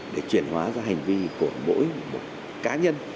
để chuyển hóa ra hành vi của mỗi một cá nhân